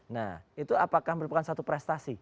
nah itu apakah merupakan satu prestasi